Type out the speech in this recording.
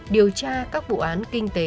điều tra các vụ án kinh tế